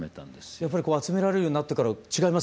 やっぱり集められるようになってから違いますか運勢は。